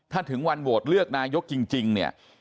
ถ้าถึงวันโหวตเลือกนายกจริงเนี่ย